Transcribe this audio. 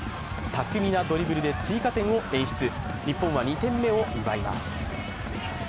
巧みなドリブルで追加点を演出、日本は２点を追加します。